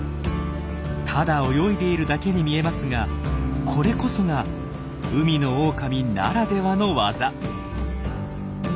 ただ泳いでいるだけに見えますがこれこそが海のオオカミならではの技。